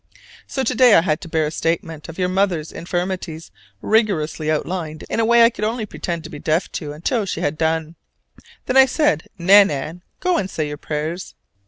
So to day I had to bear a statement of your mother's infirmities rigorously outlined in a way I could only pretend to be deaf to until she had done. Then I said, "Nan nan, go and say your prayers!"